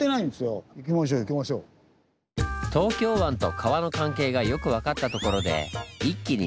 東京湾と川の関係がよくわかったところで一気に南へ。